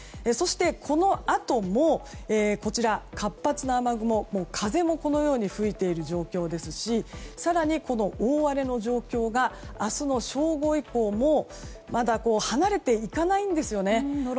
このあとも活発な雨雲は風も吹いている状況ですし更に、大荒れの状況が明日の正午以降もまだ離れていかないんですね。